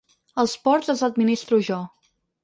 Els ports els administro jo.